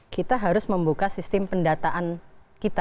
kita harus membuka sistem pendataan kita